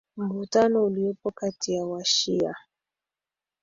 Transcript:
mvutano uliopo kati ya washia